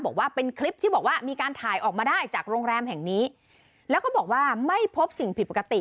บอกว่าเป็นคลิปที่บอกว่ามีการถ่ายออกมาได้จากโรงแรมแห่งนี้แล้วก็บอกว่าไม่พบสิ่งผิดปกติ